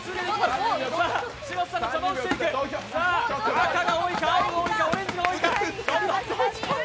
赤が多いか、青が多いか、オレンジが多いか。